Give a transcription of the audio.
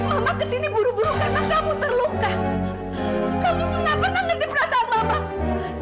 mama kesini buru buru karena kamu terlalu banyak